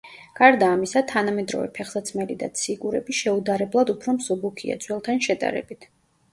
გარდა ამისა თანამედროვე ფეხსაცმელი და ციგურები შეუდარებლად უფრო მსუბუქია, ძველთან შედარებით.